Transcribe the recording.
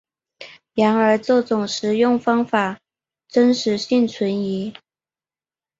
然而这种食用方法真实性存疑。